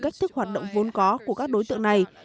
cách thức hoạt động vốn có của các đối tượng này